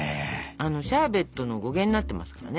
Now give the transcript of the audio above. あのシャーベットの語源になってますからね。